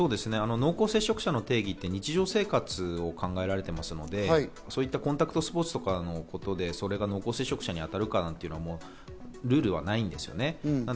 濃厚接触者の定義って日常生活で考えられていますのでコンタクトスポーツとかで濃厚接触者に当たるかどうかというののルールはないんですね。